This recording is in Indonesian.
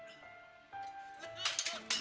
saya juga suka cukup santan